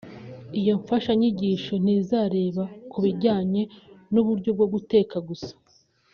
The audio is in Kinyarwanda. Iyo mfashanyigisho ntizareba ku bijyanye n’uburyo bwo guteka gusa